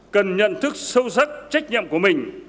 cần nhận thức sâu sắc trách nhiệm của mình